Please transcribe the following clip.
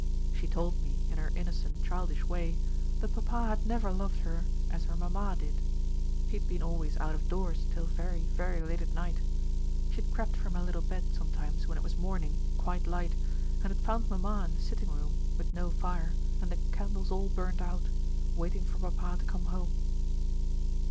She told me, in her innocent childish way, that papa had never loved her as her mamma did. He had been always out of doors till very, very late at night. She had crept from her little bed sometimes when it was morning, quite light, and had found mamma in the sitting room, with no fire, and the candles all burnt out, waiting for papa to come home.